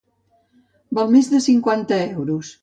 Val més de cinquanta euros.